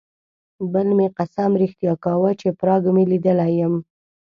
بل مې قسم رښتیا کاوه چې پراګ مې لیدلی یم.